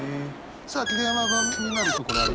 さあ桐山君気になるところあります？